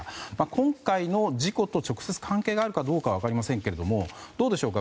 今回の事故と直接関係があるかどうかは分かりませんけれどもどうでしょうか。